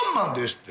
って。